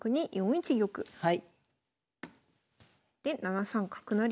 で７三角成。